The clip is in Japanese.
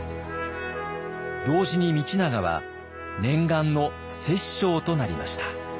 同時に道長は念願の摂政となりました。